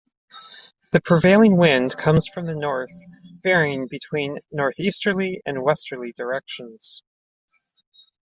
The prevailing wind comes from the north varying between north easterly and westerly directions.